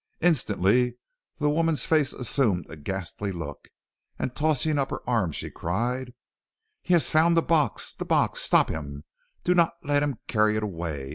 Instantly the woman's face assumed a ghastly look, and, tossing up her arms, she cried: "'He has found the box! the box! Stop him! Do not let him carry it away!